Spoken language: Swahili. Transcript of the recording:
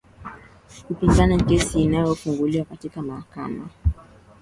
za kupinga kesi iliofunguliwa katika mahakama